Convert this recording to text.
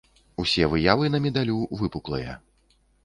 Усе выявы на медалю выпуклыя.